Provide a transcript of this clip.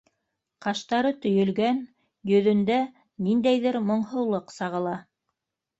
Ҡаштары төйөлгән, йөҙөндә ниндәйҙер моңһоулыҡ сағыла.